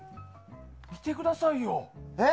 見てくださいよ。